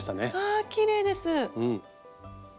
あきれいです！